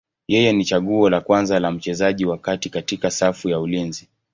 Yeye ni chaguo la kwanza la mchezaji wa kati katika safu ya ulinzi.